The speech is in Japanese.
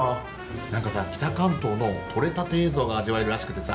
何かさ北関東の撮れたて映像が味わえるらしくてさ。